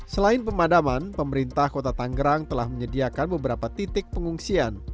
selain pemadaman pemerintah kota tanggerang telah menyediakan beberapa titik pengungsian